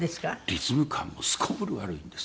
リズム感もすこぶる悪いんです。